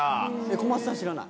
小松さん、知らない？